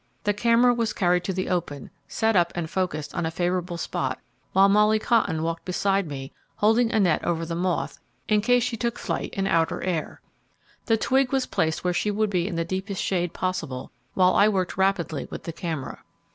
The camera was carried to the open, set up and focused on a favourable spot, while Molly Cotton walked beside me holding a net over the moth in case she took flight in outer air. The twig was placed where she would be in the deepest shade possible while I worked rapidly with the camera.